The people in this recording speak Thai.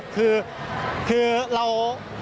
คือเรา